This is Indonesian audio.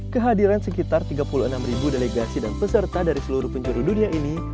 kehadiran sekitar tiga puluh enam ribu delegasi dan peserta dari seluruh penjuru dunia ini